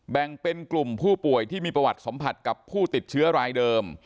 แบ่งเป็นกลุ่มผู้ป่วยที่มีประวัติสัมผัสกับผู้ติดเชื้อรายเดิม